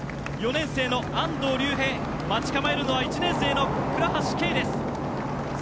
４年生の安東竜平待ち構えるのは１年生の倉橋慶です。